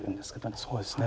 そうですね。